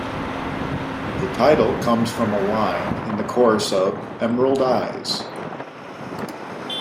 The title comes from a line in the chorus of "Emerald Eyes".